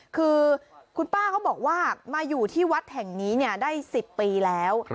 คือคุณป้าเขาบอกว่ามาอยู่ที่วัดแห่งนี้ได้๑๐ปีแล้ว